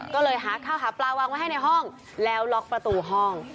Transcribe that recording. ก็เลยหาข้าวหาปลาวางไว้ให้ในห้องแล้วล็อกประตูห้อง